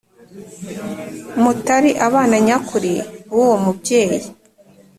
mutari abana nyakuri buwo mubyeyi.